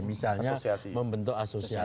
misalnya membentuk asosiasi